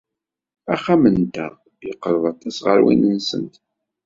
Axxam-nteɣ yeqreb aṭas ɣer win-nsent.